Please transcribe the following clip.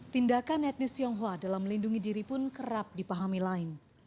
tindakan etnis tionghoa dalam melindungi diri pun kerap dipahami lain